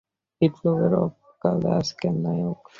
বিপ্লবের আকালে প্রিক্যারিয়েতই আজকের নায়ক।